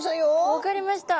分かりました。